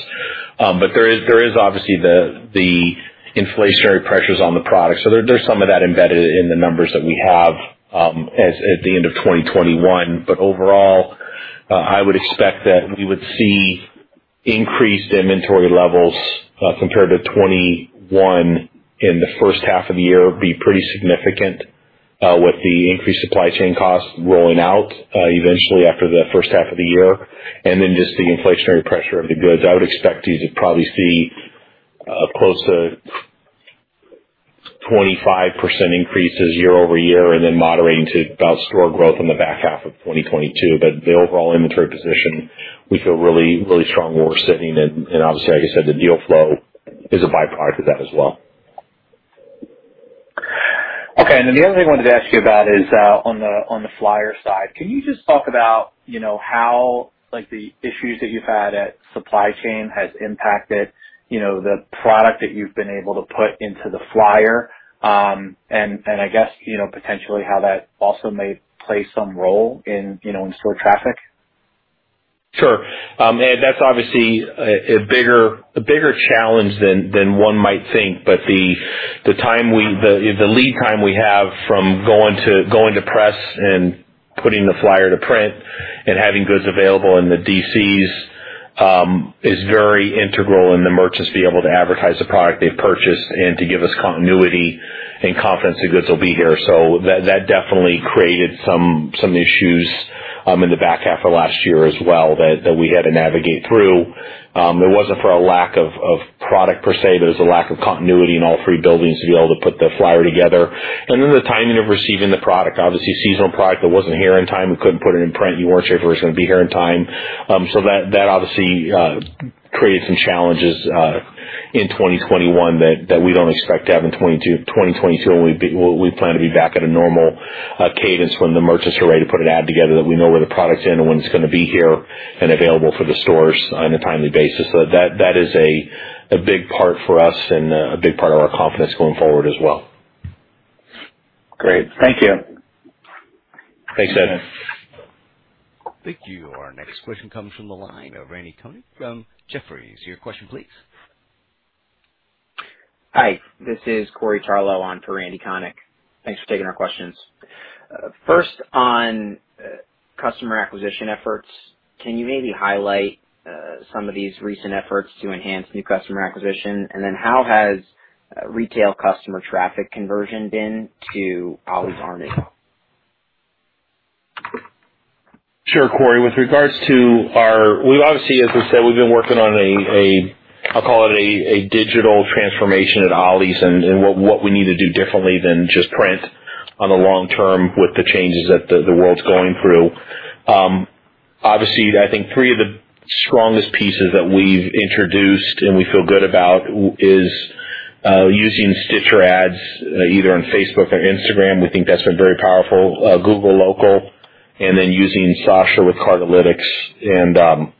There is obviously the inflationary pressures on the product. There's some of that embedded in the numbers that we have as at the end of 2021. Overall, I would expect that we would see increased inventory levels, compared to 2021 in the first half of the year be pretty significant, with the increased supply chain costs rolling out, eventually after the first half of the year and then just the inflationary pressure of the goods. I would expect you to probably see close to 25% increases year-over-year and then moderating to about store growth in the back half of 2022. The overall inventory position, we feel really strong where we're sitting. Obviously, like I said, the deal flow is a by-product of that as well. Okay. The other thing I wanted to ask you about is on the flyer side. Can you just talk about, you know, how, like, the issues that you've had with supply chain has impacted, you know, the product that you've been able to put into the flyer? I guess, you know, potentially how that also may play some role in, you know, in-store traffic. Sure. That's obviously a bigger challenge than one might think. The lead time we have from going to press and putting the flyer to print and having goods available in the DCs is very integral in the merchants being able to advertise the product they've purchased and to give us continuity and confidence the goods will be here. That definitely created some issues in the back half of last year as well that we had to navigate through. It wasn't for a lack of product per se. There's a lack of continuity in all three buildings to be able to put the flyer together. The timing of receiving the product. Obviously, seasonal product that wasn't here in time, we couldn't put it in print. You weren't sure if it was gonna be here in time. That obviously created some challenges in 2021 that we don't expect to have in 2022 when we plan to be back at a normal cadence when the merchants are ready to put an ad together that we know where the products in and when it's gonna be here and available for the stores on a timely basis. That is a big part for us and a big part of our confidence going forward as well. Great. Thank you. Thanks, Ed. Thank you. Our next question comes from the line of Randal Konik from Jefferies. Your question please. Hi, this is Corey Tarlowe on for Randal Konik. Thanks for taking our questions. First on customer acquisition efforts, can you maybe highlight some of these recent efforts to enhance new customer acquisition? How has retail customer traffic conversion been to Ollie's Army? Sure, Corey. With regards to our. We obviously, as we said, we've been working on I'll call it a digital transformation at Ollie's and what we need to do differently than just print on the long term with the changes that the world's going through. Obviously, I think three of the strongest pieces that we've introduced and we feel good about is using Stitcher Ads, either on Facebook or Instagram. We think that's a very powerful Google Local, and then using Sasha with Cardlytics.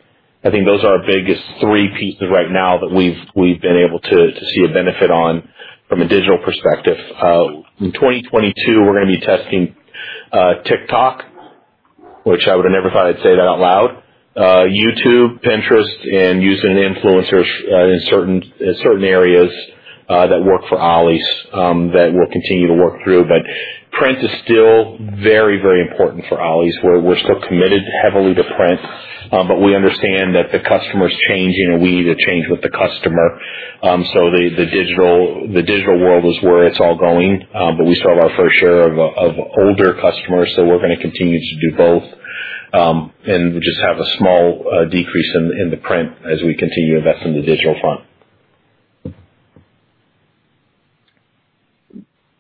I think those are our biggest three pieces right now that we've been able to see a benefit on from a digital perspective. In 2022, we're gonna be testing TikTok, which I would have never thought I'd say that out loud, YouTube, Pinterest, and using influencers in certain areas that work for Ollie's that we'll continue to work through. Print is still very, very important for Ollie's, where we're still committed heavily to print, but we understand that the customer's changing and we need to change with the customer. The digital world is where it's all going. We still have our fair share of older customers, so we're gonna continue to do both and just have a small decrease in the print as we continue to invest in the digital front.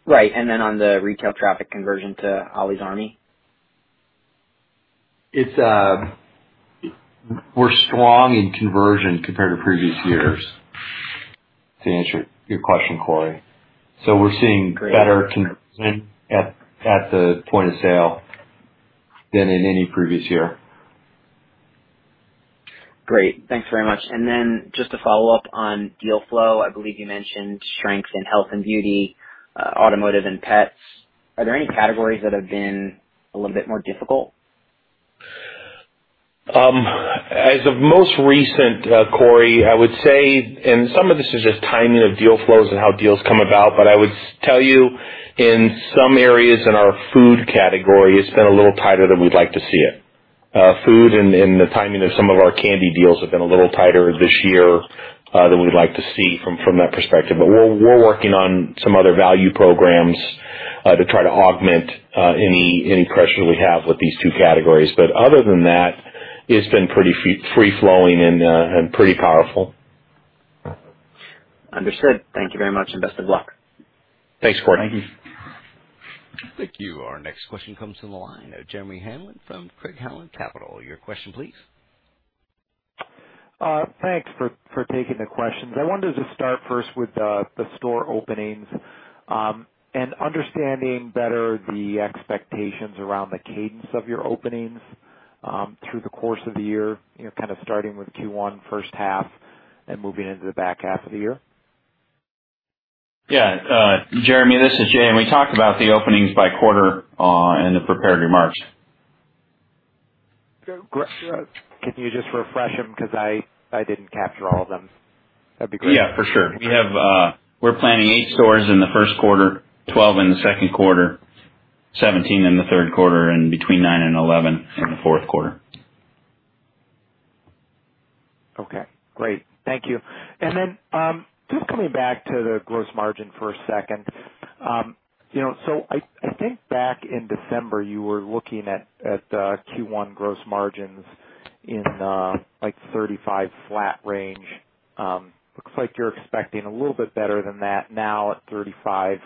Right. On the retail traffic conversion to Ollie's Army? We're strong in conversion compared to previous years, to answer your question, Corey. We're seeing Great. better conversion at the point of sale than in any previous year. Great. Thanks very much. Just to follow up on deal flow, I believe you mentioned strength in health and beauty, automotive and pets. Are there any categories that have been a little bit more difficult? As of most recent, Corey, I would say, and some of this is just timing of deal flows and how deals come about, but I would tell you in some areas in our food category, it's been a little tighter than we'd like to see it. Food and the timing of some of our candy deals have been a little tighter this year than we'd like to see from that perspective. We're working on some other value programs to try to augment any pressure we have with these two categories. Other than that, it's been pretty free flowing and pretty powerful. Understood. Thank you very much, and best of luck. Thanks, Corey. Thank you. Thank you. Our next question comes from the line of Jeremy Hamblin from Craig-Hallum Capital. Your question, please. Thanks for taking the questions. I wanted to start first with the store openings, and understanding better the expectations around the cadence of your openings, through the course of the year, you know, kind of starting with Q1 first half and moving into the back half of the year. Yeah. Jeremy, this is Jay. We talked about the openings by quarter in the prepared remarks. Can you just refresh them? Because I didn't capture all of them. That'd be great. Yeah, for sure. We have we're planning eight stores in the first quarter, 12 in the second quarter, 17 in the third quarter, and between nine and 11 in the fourth quarter. Okay, great. Thank you. Just coming back to the gross margin for a second. You know, I think back in December, you were looking at Q1 gross margins in like 35% flat range. Looks like you're expecting a little bit better than that now at 35.8%.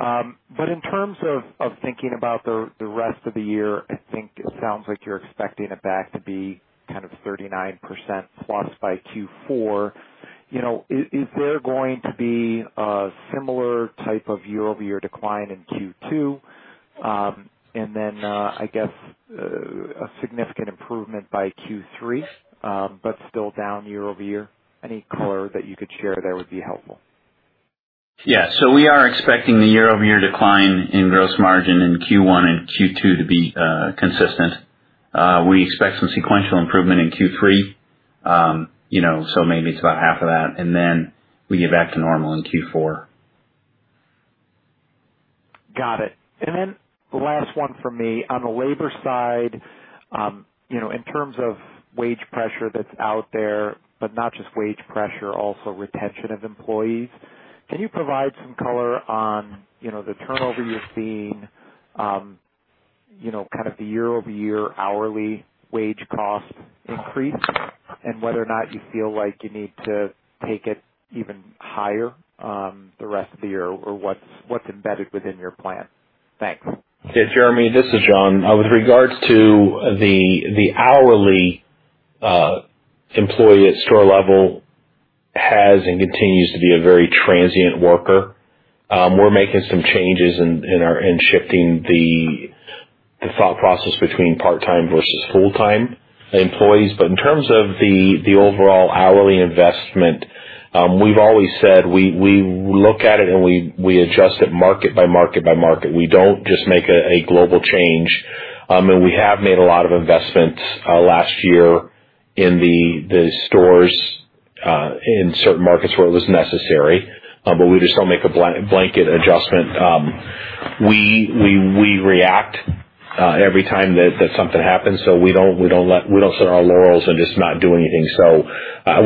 In terms of thinking about the rest of the year, I think it sounds like you're expecting it back to be kind of 39% plus by Q4. You know, is there going to be a similar type of year-over-year decline in Q2? I guess a significant improvement by Q3, but still down year-over-year. Any color that you could share there would be helpful. We are expecting the year-over-year decline in gross margin in Q1 and Q2 to be consistent. We expect some sequential improvement in Q3, you know, so maybe it's about half of that. We get back to normal in Q4. Got it. The last one from me. On the labor side, you know, in terms of wage pressure that's out there, but not just wage pressure, also retention of employees. Can you provide some color on, you know, the turnover you're seeing, you know, kind of the year-over-year hourly wage cost increase and whether or not you feel like you need to take it even higher, the rest of the year or what's embedded within your plan? Thanks. Yeah. Jeremy, this is John. With regards to the hourly employee at store level has and continues to be a very transient worker. We're making some changes in shifting the thought process between part-time versus full-time employees. In terms of the overall hourly investment, we've always said we look at it and we adjust it market by market by market. We don't just make a global change. We have made a lot of investments last year in the stores in certain markets where it was necessary, but we just don't make a blanket adjustment. We react every time that something happens. We don't sit on our laurels and just not do anything.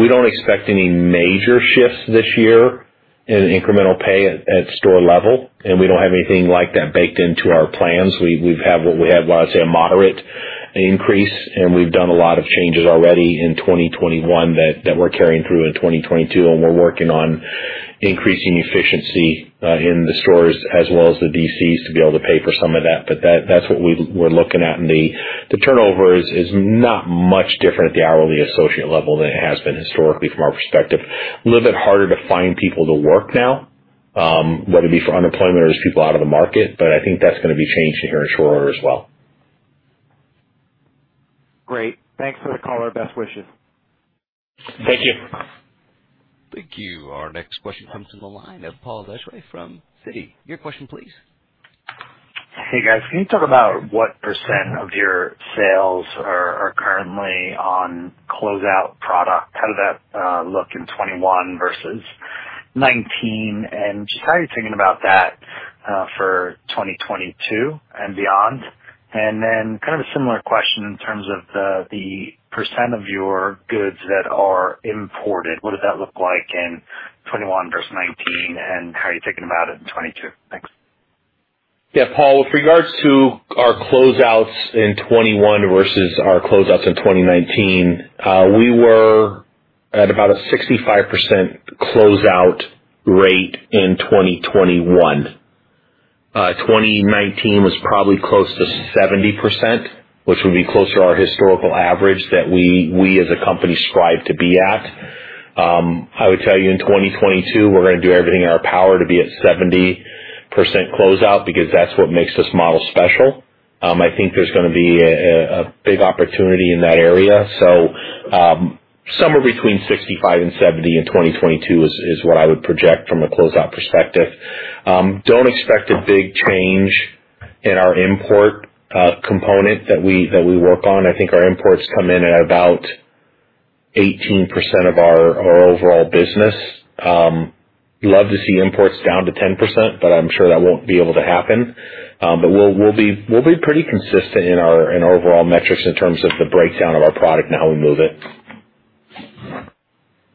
We don't expect any major shifts this year in incremental pay at store level, and we don't have anything like that baked into our plans. We've had what we had, let's say, a moderate increase, and we've done a lot of changes already in 2021 that we're carrying through in 2022. We're working on increasing efficiency in the stores as well as the DCs to be able to pay for some of that. But that's what we're looking at. The turnover is not much different at the hourly associate level than it has been historically from our perspective. A little bit harder to find people to work now, whether it be for unemployment or there's people out of the market, but I think that's gonna be changing here in short order as well. Great. Thanks for the call. Our best wishes. Thank you. Thank you. Our next question comes from the line of Brandon Cheatham from Citi. Your question please. Hey, guys. Can you talk about what percent of your sales are currently on closeout product? How did that look in 2021 versus 2019? Just how are you thinking about that for 2022 and beyond? Then kind of a similar question in terms of the percent of your goods that are imported. What did that look like in 2021 versus 2019 and how are you thinking about it in 2022? Thanks. Yeah, Paul. With regards to our closeouts in 2021 versus our closeouts in 2019, we were at about a 65% closeout rate in 2021. 2019 was probably close to 70%, which would be closer to our historical average that we as a company strive to be at. I would tell you in 2022, we're gonna do everything in our power to be at 70% closeout because that's what makes this model special. I think there's gonna be a big opportunity in that area. Somewhere between 65% and 70% in 2022 is what I would project from a closeout perspective. Don't expect a big change in our import component that we work on. I think our imports come in at about 18% of our overall business. Love to see imports down to 10%, but I'm sure that won't be able to happen. We'll be pretty consistent in our overall metrics in terms of the breakdown of our product and how we move it.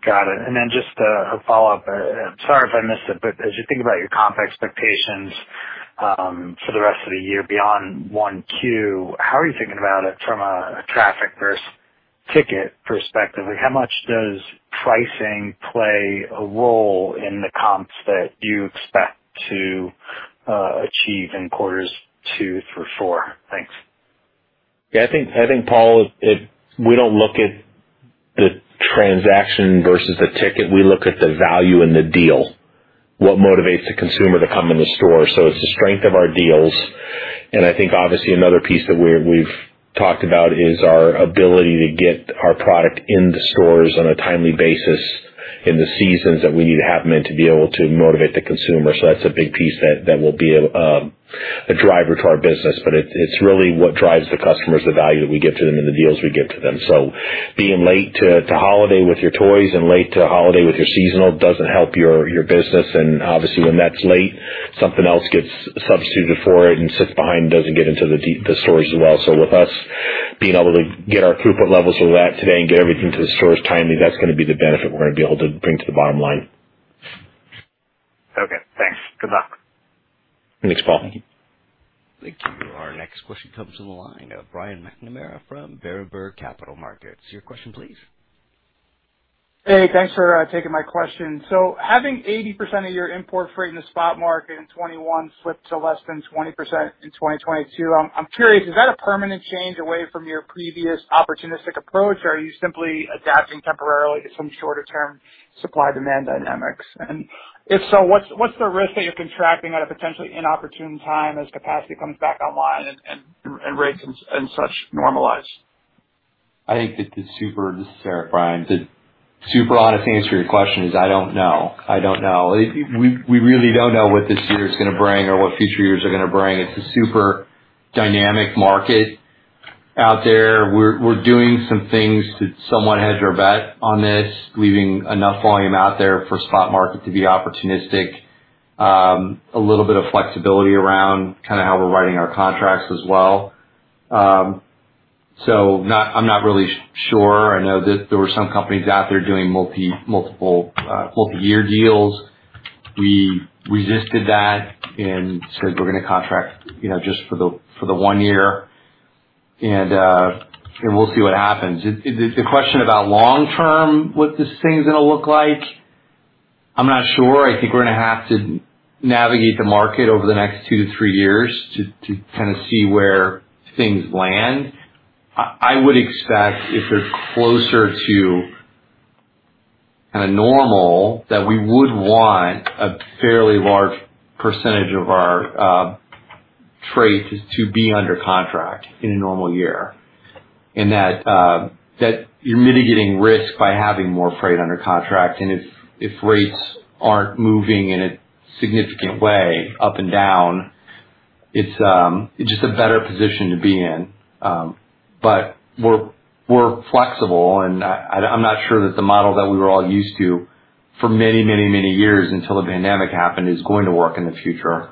Got it. Just a follow-up. Sorry if I missed it, but as you think about your comp expectations for the rest of the year beyond Q1, how are you thinking about it from a traffic versus ticket perspective? Like, how much does pricing play a role in the comps that you expect to achieve in quarters two through four? Thanks. Yeah, I think, Paul. We don't look at the transaction versus the ticket. We look at the value in the deal, what motivates the consumer to come in the store. It's the strength of our deals, and I think obviously another piece that we've talked about is our ability to get our product in the stores on a timely basis in the seasons that we need to have them in to be able to motivate the consumer. That's a big piece that will be a driver to our business. But it's really what drives the customers, the value that we give to them and the deals we give to them. Being late to holiday with your toys and late to holiday with your seasonal doesn't help your business and obviously when that's late, something else gets substituted for it and sits behind, doesn't get into the stores as well. With us being able to get our throughput levels where they're at today and get everything to the stores timely, that's gonna be the benefit we're gonna be able to bring to the bottom line. Okay, thanks. Good luck. Thanks, Brandon. Thank you. Our next question comes from the line of Brian McNamara from Berenberg Capital Markets. Your question please. Hey, thanks for taking my question. Having 80% of your import freight in the spot market in 2021 slipped to less than 20% in 2022, I'm curious, is that a permanent change away from your previous opportunistic approach or are you simply adapting temporarily to some shorter-term supply demand dynamics? If so, what's the risk that you're contracting at a potentially inopportune time as capacity comes back online and rates and such normalize? This is Eric, Brian. The super honest answer to your question is I don't know. We really don't know what this year's gonna bring or what future years are gonna bring. It's a super dynamic market out there. We're doing some things to somewhat hedge our bet on this, leaving enough volume out there for spot market to be opportunistic. A little bit of flexibility around kinda how we're writing our contracts as well. I'm not really sure. I know there were some companies out there doing multiple multi-year deals. We resisted that and said, we're gonna contract, you know, just for the one year and we'll see what happens. The question about long term, what this thing's gonna look like, I'm not sure. I think we're gonna have to navigate the market over the next two-three years to kind of see where things land. I would expect if they're closer to kinda normal, that we would want a fairly large percentage of our freight to be under contract in a normal year. That you're mitigating risk by having more freight under contract. If rates aren't moving in a significant way up and down, it's just a better position to be in. We're flexible and I'm not sure that the model that we were all used to for many years until the pandemic happened is going to work in the future.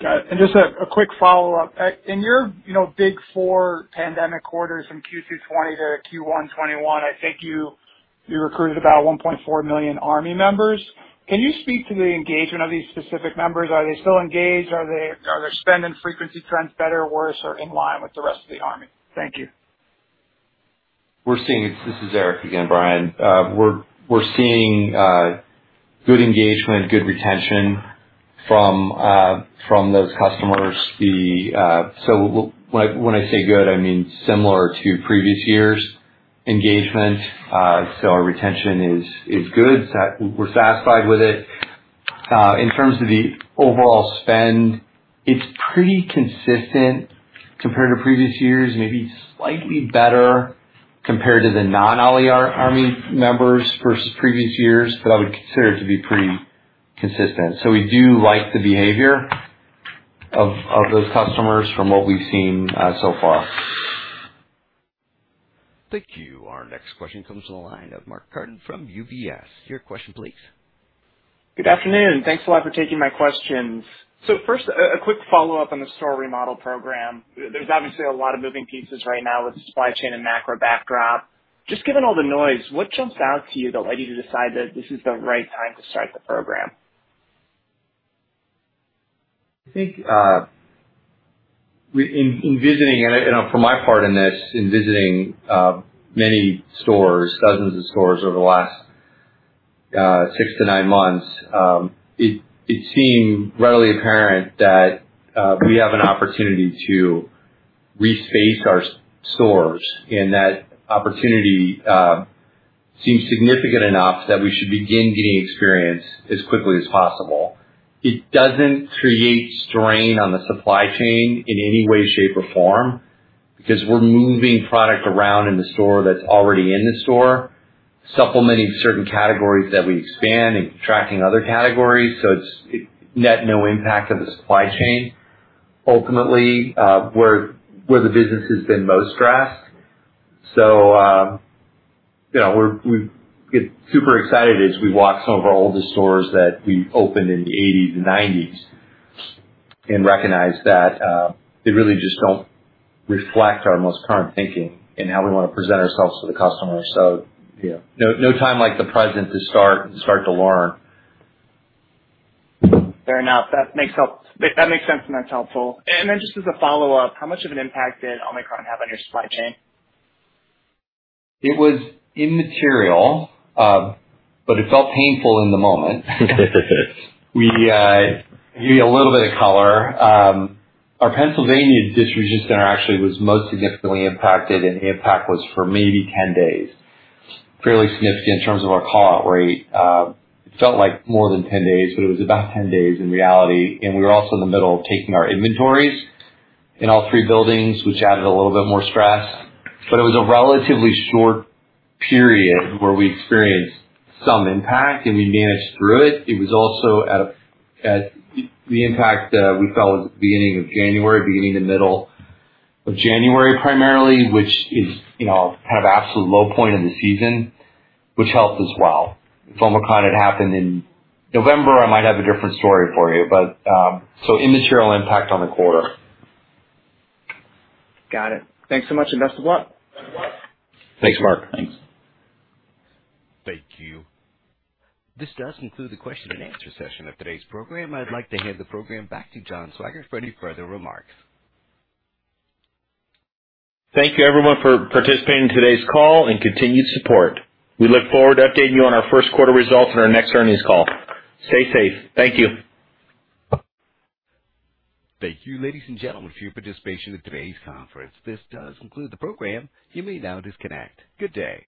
Got it. Just a quick follow-up. In your big four pandemic quarters from Q2 2020 to Q1 2021, I think you recruited about 1.4 million Army members. Can you speak to the engagement of these specific members? Are they still engaged? Are their spend and frequency trends better or worse or in line with the rest of the Army? Thank you. This is Eric again, Brian. We're seeing good engagement, good retention from those customers. When I say good, I mean similar to previous years' engagement. Our retention is good. We're satisfied with it. In terms of the overall spend, it's pretty consistent compared to previous years, maybe slightly better compared to the non-Ollie's Army members versus previous years, but I would consider it to be pretty consistent. We do like the behavior of those customers from what we've seen so far. Thank you. Our next question comes from the line of Mark Carden from UBS. Your question please. Good afternoon. Thanks a lot for taking my questions. First, quick follow-up on the store remodel program. There's obviously a lot of moving pieces right now with the supply chain and macro backdrop. Just given all the noise, what jumps out to you that led you to decide that this is the right time to start the program? I think in visiting and from my part in this, visiting many stores, dozens of stores over the last six-nine months, it seemed readily apparent that we have an opportunity to reface our stores, and that opportunity seems significant enough that we should begin getting experience as quickly as possible. It doesn't create strain on the supply chain in any way, shape, or form because we're moving product around in the store that's already in the store, supplementing certain categories that we expand and contracting other categories, so it nets no impact on the supply chain. Ultimately, we're where the business has been most stressed. You know, we get super excited as we walk some of our older stores that we opened in the eighties and nineties and recognize that they really just don't reflect our most current thinking and how we wanna present ourselves to the customer. You know, no time like the present to start to learn. Fair enough. That makes sense, and that's helpful. Then just as a follow-up, how much of an impact did Omicron have on your supply chain? It was immaterial, but it felt painful in the moment. We gave you a little bit of color. Our Pennsylvania distribution center actually was most significantly impacted, and the impact was for maybe 10 days, fairly significant in terms of our call-out rate. It felt like more than 10 days, but it was about 10 days in reality, and we were also in the middle of taking our inventories in all three buildings, which added a little bit more stress. It was a relatively short period where we experienced some impact, and we managed through it. It was also. The impact we felt was at the beginning of January, beginning to middle of January primarily, which is, you know, kind of absolute low point in the season, which helped as well. If Omicron had happened in November, I might have a different story for you, but so immaterial impact on the quarter. Got it. Thanks so much, and best of luck. Thanks, Mark. Thank you. This does conclude the question-and-answer session of today's program. I'd like to hand the program back to John Swygert for any further remarks. Thank you everyone for participating in today's call and continued support. We look forward to updating you on our first quarter results in our next earnings call. Stay safe. Thank you. Thank you, ladies and gentlemen, for your participation in today's conference. This does conclude the program. You may now disconnect. Good day.